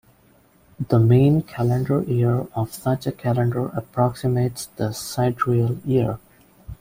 The mean calendar year of such a calendar approximates the sidereal year.